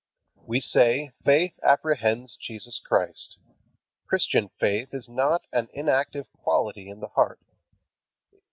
We say, faith apprehends Jesus Christ. Christian faith is not an inactive quality in the heart.